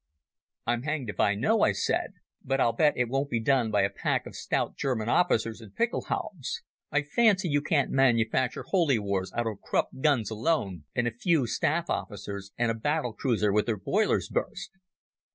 "I'm hanged if I know," I said; "but I'll bet it won't be done by a pack of stout German officers in pickelhaubes. I fancy you can't manufacture Holy Wars out of Krupp guns alone and a few staff officers and a battle cruiser with her boilers burst."